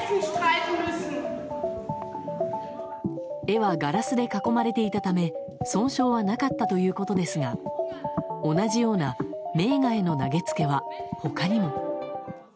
絵はガラスで囲まれていたため損傷はなかったということですが同じような名画への投げ付けは他にも。